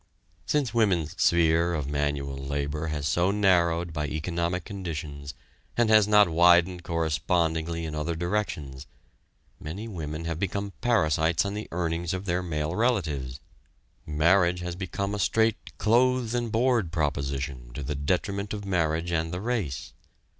Since women's sphere of manual labor has so narrowed by economic conditions and has not widened correspondingly in other directions, many women have become parasites on the earnings of their male relatives. Marriage has become a straight "clothes and board" proposition to the detriment of marriage and the race.